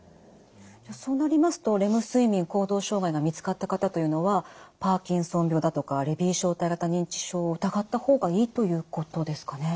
そうなりますとレム睡眠行動障害が見つかった方というのはパーキンソン病だとかレビー小体型認知症を疑った方がいいということですかね？